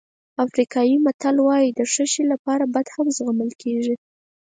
افریقایي متل وایي د ښه شی لپاره بد هم زغمل کېږي.